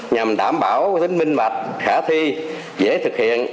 nhằm đảm bảo tính minh bạch khả thi dễ thực hiện